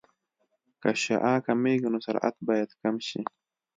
که شعاع کمېږي نو سرعت باید کم شي